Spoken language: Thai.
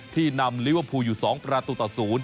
ที่นำลิเวอร์พูลอยู่๒ประตูต่อ๐